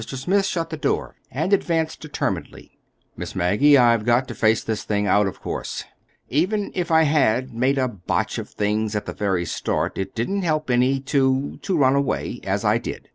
Smith shut the door and advanced determinedly. "Miss Maggie, I've got to face this thing out, of course. Even if I had—made a botch of things at the very start, it didn't help any to—to run away, as I did.